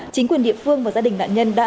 chính quyền địa phương và gia đình nạn nhân đã